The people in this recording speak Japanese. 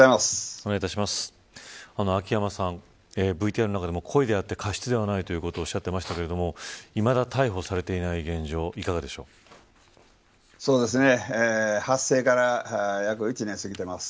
秋山さん、ＶＴＲの中でも故意であって過失ではないということを言っていましたがいまだ逮捕されていない現状発生から約１年過ぎています。